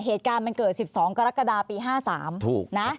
เหตุการณ์มันเกิดสิบสองกรกฎาปีห้าสามถูกนะ